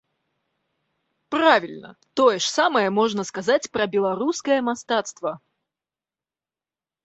Правільна, тое ж самае можна сказаць пра беларускае мастацтва.